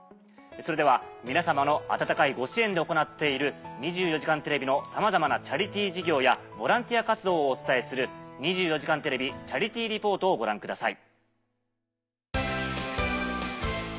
それでは皆さまの温かいご支援で行っている２４時間テレビのさまざまなチャリティー事業やボランティア活動をお伝えする。をご覧ください。